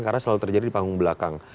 karena selalu terjadi di panggung belakang